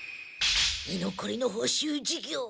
居残りの補習授業。